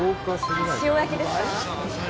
塩焼きですか。